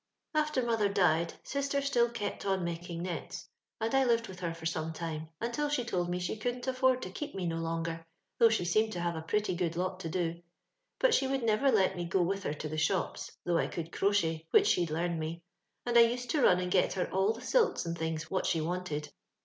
<* After mother died, sister still kept on making nets, and I lived with her for some time, untU she told me she couldn't afford to keep me no longer, though she seemed to have a pretty good lot to do ; but she would never let me go with her to the shops, though I could crochet, which she'd learned me, and used to run and get her all her silks and things what she wanted.